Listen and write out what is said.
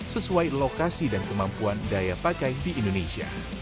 sesuai lokasi dan kemampuan daya pakai di indonesia